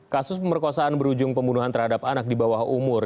kasus pemerkosaan berujung pembunuhan terhadap anak di bawah umur